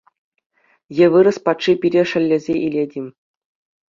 Е вырӑс патши пире шеллесе илет-им?